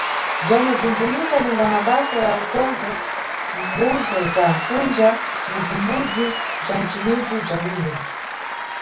Bzomwe bzimʼbvumika ninga mabasa ya ukhonkho mʼmbuzo za kunja ni bzimbudzi bza nʼcimidzi bza bwino.